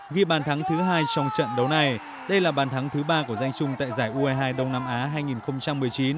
ghi bàn thắng thứ hai trong trận đấu này đây là bàn thắng thứ ba của danh trung tại giải ue hai đông nam á hai nghìn một mươi chín